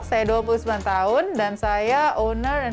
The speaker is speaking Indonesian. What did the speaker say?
saya dua puluh sembilan tahun dan saya owner and founder of teoria by karamia